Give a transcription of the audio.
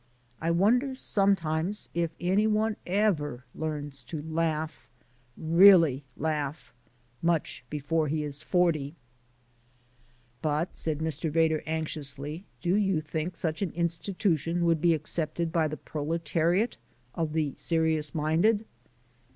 I wonder sometimes if any one ever learns to laugh really laugh much before he is forty." "But," said Mr. Vedder anxiously, "do you think such an institution would be accepted by the proletariat of the serious minded?"